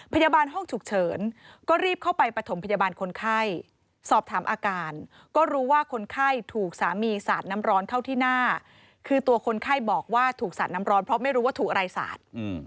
พยาบาลห้องฉุกเฉินก็รีบเข้าไปประถมพยาบาลคนไข้สอบถามอาการก็รู้ว่าคนไข้ถูกสามีสาดน้ำร้อนเข้าที่หน้าคือตัวคนไข้บอกว่าถูกสาดน้ำร้อนเพราะไม่รู้ว่าถูกอะไรสาด